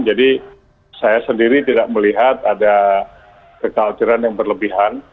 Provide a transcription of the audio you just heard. jadi saya sendiri tidak melihat ada kekhawatiran yang berlebihan